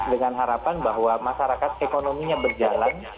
dengan harapan bahwa masyarakat ekonominya berjalan